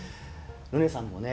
ルネさんもね